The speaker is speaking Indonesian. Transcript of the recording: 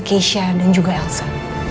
keisha dan juga elsa